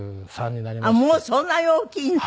もうそんなに大きいの。